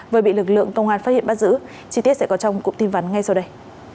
vừa bị lực lượng công an phát hiện bắt giữ chi tiết sẽ có trong cụm tin vắn ngay sau đây